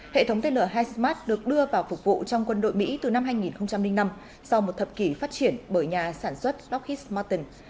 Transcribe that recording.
hệ thống tên lửa hismart được đưa vào phục vụ trong quân đội mỹ từ năm hai nghìn năm sau một thập kỷ phát triển bởi nhà sản xuất slockhis marton